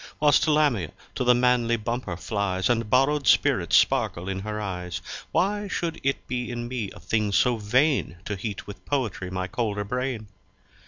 Whilst Lamia to the manly Bumper flys And borrow'd Spiritts sparkle in her Eyes, Why shou'd itt be in me a thing so vain To heat with Poetry my colder Brain?